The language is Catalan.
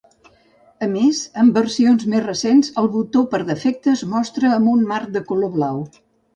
A més, en versions més recents, el botó per defecte es mostra amb un marc de color blau.